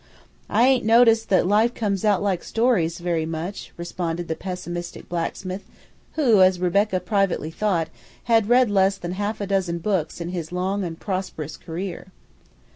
"I hain't noticed that life comes out like stories very much," responded the pessimistic blacksmith, who, as Rebecca privately thought, had read less than half a dozen books in his long and prosperous career.